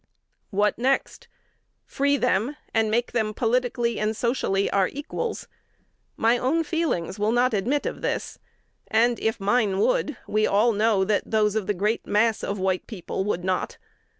What next? Free them, and make them politically and socially our equals? My own feelings will not admit of this; and, if mine would, we all know that those of the great mass of white people would not.